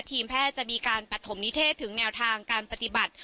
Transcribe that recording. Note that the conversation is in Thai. ทีมแพทย์จะมีการปฐมนิเทศถึงแนวทางการปฏิบัติ